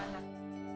satu dua tiga